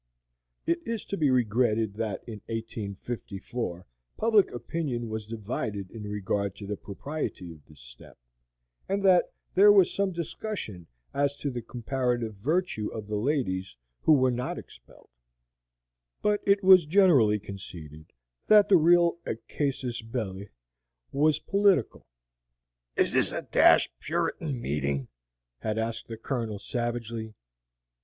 It is to be regretted that in 1854 public opinion was divided in regard to the propriety of this step, and that there was some discussion as to the comparative virtue of the ladies who were not expelled; but it was generally conceded that the real casus belli was political. "Is this a dashed Puritan meeting?" had asked the Colonel, savagely.